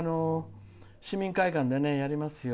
市民会館でやりますよ。